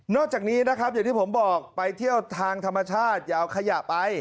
จากนี้นะครับอย่างที่ผมบอกไปเที่ยวทางธรรมชาติอย่าเอาขยะไป